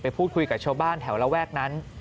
พูดคุยกับชาวบ้านแถวระแวกนั้น